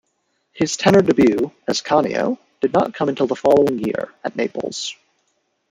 His tenor debut-as Canio-did not come until the following year, at Naples.